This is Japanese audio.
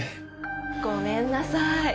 ごめんなさーい。